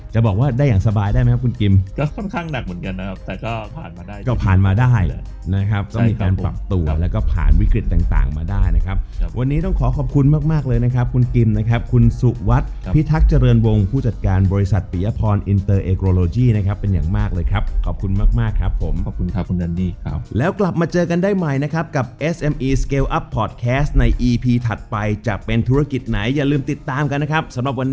จะบอกว่าได้อย่างสบายได้ไหมครับคุณกิมก็ค่อนข้างหนักเหมือนกันนะครับแต่ก็ผ่านมาได้ก็ผ่านมาได้นะครับต้องมีการปรับตัวแล้วก็ผ่านวิกฤตต่างมาได้นะครับวันนี้ต้องขอขอบคุณมากเลยนะครับคุณกิมนะครับคุณสุวัสดิ์พิทักษ์เจริญวงผู้จัดการบริษัทปิยพรอลอินเตอร์เอโกรโลยีนะครับเป็นอย่างมากเลยครับ